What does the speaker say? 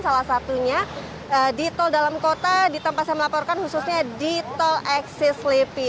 salah satunya di tol dalam kota di tempat saya melaporkan khususnya di tol eksis lepi